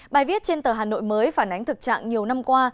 bài viết trên tờ hà nội mới phản ánh thực trạng nhiều năm qua